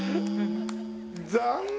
残念！